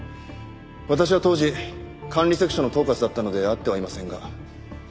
私は当時管理セクションの統括だったので会ってはいませんが買収対象だったかと。